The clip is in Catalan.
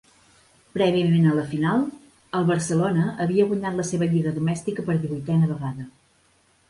Prèviament a la final, el Barcelona havia guanyat la seva lliga domèstica per divuitena vegada.